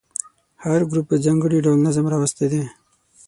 هر ګروپ په ځانګړي ډول نظم راوستی دی.